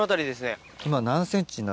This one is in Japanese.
今。